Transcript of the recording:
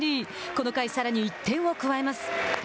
この回、さらに１点を加えます。